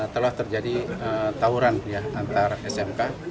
telah terjadi tawuran antara smk